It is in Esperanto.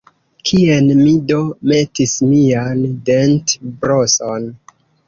Kien mi do metis mian dentbroson?